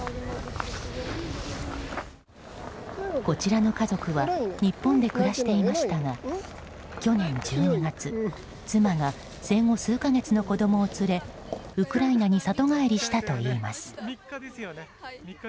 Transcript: こちらの家族は日本で暮らしていましたが去年１２月、妻が生後数か月の子供を連れウクライナに里帰りしたといいます。